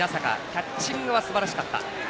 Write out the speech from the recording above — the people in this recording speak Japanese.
キャッチングはすばらしかった。